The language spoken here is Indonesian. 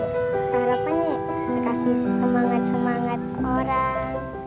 harapannya kasih semangat semangat orang